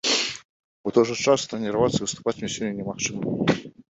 У той жа час трэніравацца і выступаць мне сёння немагчыма.